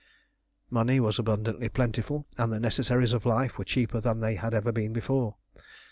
Money was abundantly plentiful, and the necessaries of life were cheaper than they had ever been before.